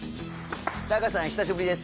タカさん久しぶりです